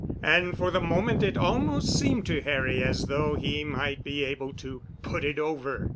And for the moment it almost seemed to Harry as though he might be able to "put it over."